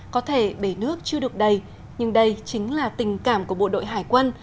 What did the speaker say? có thể bể nước chưa được đầy nhưng đây chính là tình cảm của bộ đội hải quân